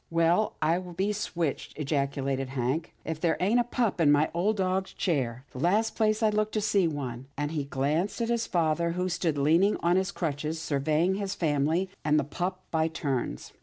''Well, I be switched!" ejaculated Hank, ''if there ain't a pup in my old dad's chair — the last place I'd look to see one," and he glanced at his father who stood leaning on his crutches, survey ing his family, and the pup by turns.